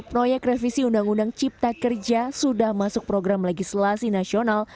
proyek revisi undang undang cipta kerja sudah masuk program legislasi nasional